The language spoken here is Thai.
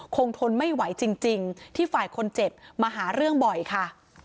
ทนไม่ไหวจริงที่ฝ่ายคนเจ็บมาหาเรื่องบ่อยค่ะ